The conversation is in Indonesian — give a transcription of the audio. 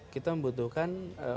kita membutuhkan orang orang baru